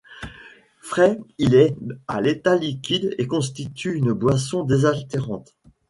Frais il est à l'état liquide et constitue une boisson désaltérante.